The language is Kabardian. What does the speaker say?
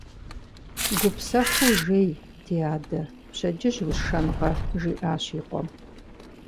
– Гупсэхуу жей, ди адэ, пщэдджыжь усшэнкъэ, – жиӏащ и къуэм.